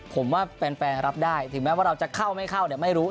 ผมว่าแฟนรับได้ถึงแม้ว่าเราจะเข้าไม่เข้าเนี่ยไม่รู้